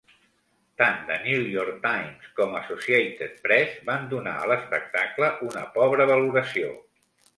Tant "The New York Times" com Associated Press van donar a l"espectacle una pobra valoració.